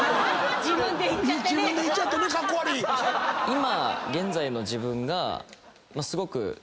今。